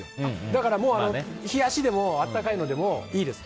だから、冷やしでも温かいのでもいいです。